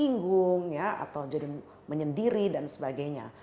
singgung atau jadi menyendiri dan sebagainya